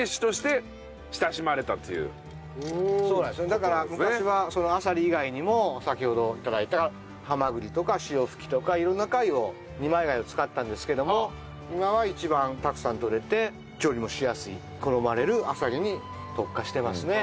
だから昔はアサリ以外にも先ほど捕らえたハマグリとかシオフキとか色んな二枚貝を使ったんですけども今は一番たくさん採れて調理もしやすい好まれるアサリに特化してますね。